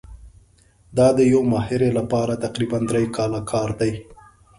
دا د یوې ماهرې لپاره تقریباً درې کاله کار دی.